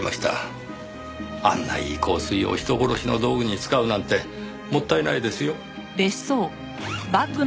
あんないい香水を人殺しの道具に使うなんてもったいないですよ。